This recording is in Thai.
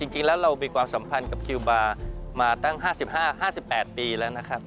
จริงแล้วเรามีความสัมพันธ์กับคิวบาร์มาตั้ง๕๘ปีแล้วนะครับ